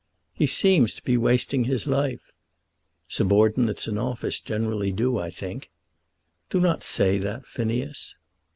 "He seems to be wasting his life." "Subordinates in office generally do, I think." "Do not say that, Phineas."